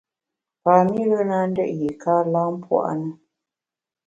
Pam-ire na ndét yiéka lam pua’ na.